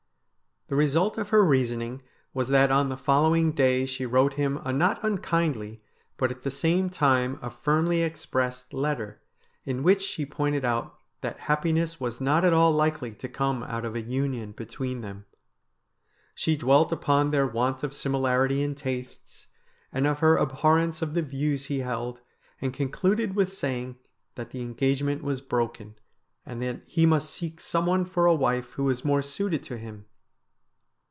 The result of her reasoning was that on the following day she wrote him a not unkindly, but at the same time a firmly expressed, letter, in which she pointed out that happiness was not at all likely to come out of a union between them. She dwelt upon their want of similarity in tastes, and of her ab horrence of the views he held, and concluded with sayino that the engagement was broken, and that he must seek some one for a wife who was more suited to him.